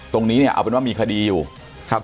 ตรงนี้เอาเป็นว่ามีคดีอยู่